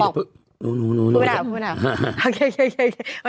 พูดไปหน่า